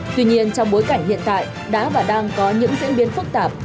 tuy nhiên trong bối cảnh hiện tại đã và đang có những diễn biến phức tạp